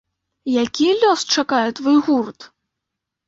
Які лёс чакае твой гурт?